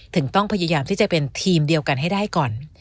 ถึงต้องพยายามที่จะเป็นทีมเดียวกันให้ได้ก่อน